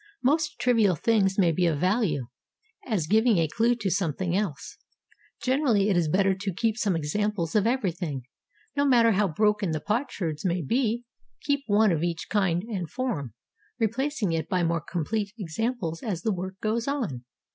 Most trivial things may be of value, as giving a clue to something else. Generally it is better to keep some examples of everything. No mat ter how broken the potsherds may be, keep one of each kind and form, replacing it by more complete examples as the work goes on.